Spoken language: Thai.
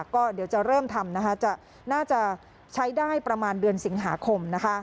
ก็เดี๋ยวจะเริ่มทำน่าจะใช้ได้ประมาณเดือนสิงหาคม